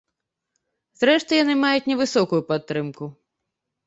Зрэшты, яны маюць невысокую падтрымку.